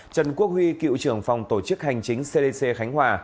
trần quốc huy cựu trưởng phòng tổ chức hành chính cdc khánh hòa